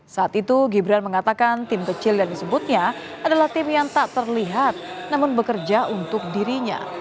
saat itu gibran mengatakan tim kecil yang disebutnya adalah tim yang tak terlihat namun bekerja untuk dirinya